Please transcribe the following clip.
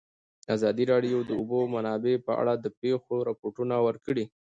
ازادي راډیو د د اوبو منابع په اړه د پېښو رپوټونه ورکړي.